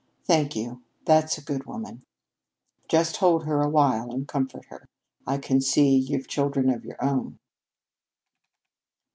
Thank you, that's a good woman. Just hold her awhile and comfort her. I can see you've children of your own."